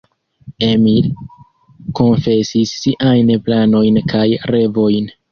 Emil konfesis siajn planojn kaj revojn.